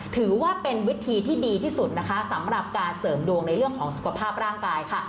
ถือว่าเป็นวิธีที่ดีที่สุดนะคะสำหรับการเสริมดวงในเรื่องของสุขภาพร่างกายค่ะ